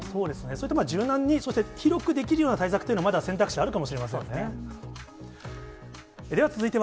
そういった柔軟に、そして広くできるような選択肢というのもあるかもしれませんね。